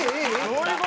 どういう事？